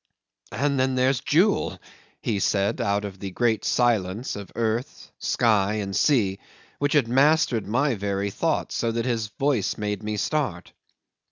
"And then there's Jewel," he said, out of the great silence of earth, sky, and sea, which had mastered my very thoughts so that his voice made me start.